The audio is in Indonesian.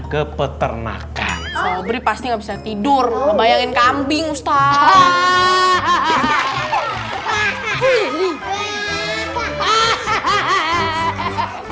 ke peternakan beri pasti bisa tidur bayangin kambing ustadz hahaha hahaha